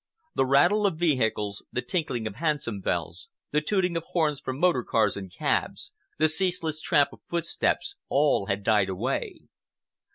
The rattle of vehicles, the tinkling of hansom bells, the tooting of horns from motor cars and cabs, the ceaseless tramp of footsteps, all had died away.